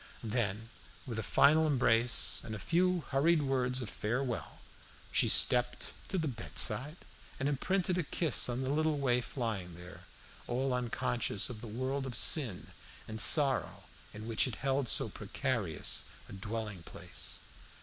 Then, with a final embrace, and a few hurried words of farewell, she stepped to the bedside and imprinted a kiss on the little waif lying there, all unconscious of the world of sin and sorrow in which it held so precarious a dwelling place.